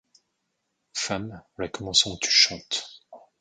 Femme, en la commençant tu chantes